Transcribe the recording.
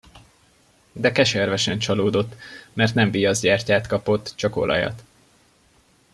De keservesen csalódott, mert nem viaszgyertyát kapott, csak olajat.